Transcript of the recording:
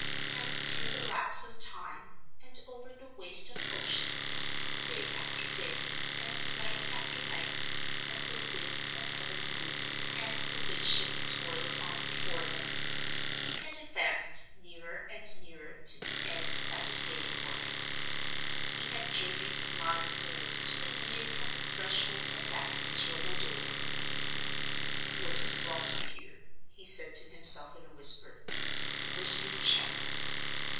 And through the lapse of time, and over the waste of oceans—day after day, and night after night, as the winds of heaven blew, and the good ship toiled on before them—he had advanced nearer and nearer to the end that was waiting for him; he had journeyed blindfold to the meeting on the threshold of that miserable door. "What has brought me here?" he said to himself in a whisper. "The mercy of chance?